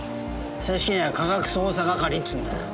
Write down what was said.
正式には科学捜査係っつうんだよ。